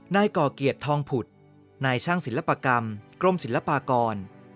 ก่อเกียรติทองผุดนายช่างศิลปกรรมกรมศิลปากร